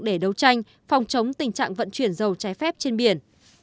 để đấu tranh phòng chống tình trạng vận chuyển dầu trái phép trên biển